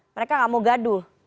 mereka gak mau gaduh